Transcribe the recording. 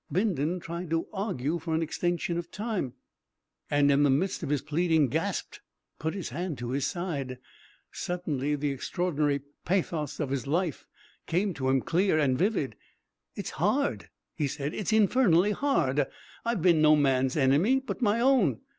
Bindon tried to argue for an extension of time, and in the midst of his pleading gasped, put his hand to his side. Suddenly the extraordinary pathos of his life came to him clear and vivid. "It's hard," he said. "It's infernally hard! I've been no man's enemy but my own.